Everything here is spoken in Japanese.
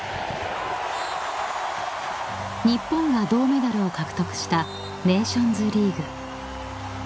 ［日本が銅メダルを獲得したネーションズリーグ］